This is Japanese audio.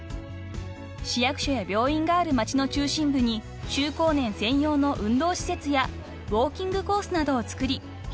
［市役所や病院がある町の中心部に中高年専用の運動施設やウオーキングコースなどを作り